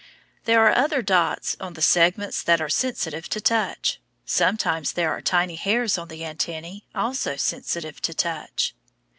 There are other dots on the segments that are sensitive to touch. Sometimes there are tiny hairs on the antennæ, also sensitive to touch.